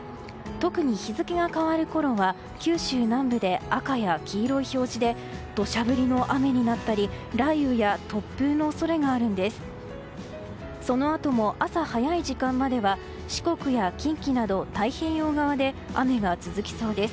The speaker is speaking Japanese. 特に、日付が変わるころは九州南部で赤や黄色い表示で土砂降りの雨になったり雷雨や突風の恐れがあるんです。